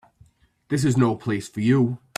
This is no place for you.